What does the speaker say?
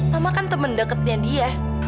mama kan temen deketnya dia